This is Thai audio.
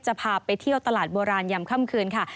พาไปเที่ยวตลาดโบราณยำค่ำคืนค่ะ